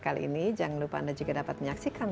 kali ini jangan lupa anda juga dapat menyaksikan